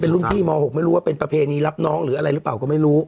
รุ่นพี่ม๖ไม่รู้ว่าเป็นประเพณีรับน้องหรืออะไรหรือเปล่าก็ไม่รู้